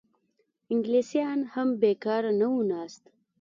انګلیسیان هم بېکاره نه وو ناست.